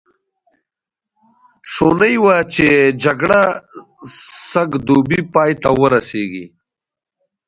شوني وه چې جګړه سږ دوبی پای ته ورسېږي.